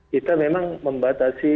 kita memang membatasi